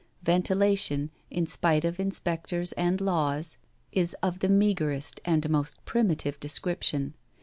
Ventilation, in spite of inspectors and laws, is of the meagrest and most primitive description.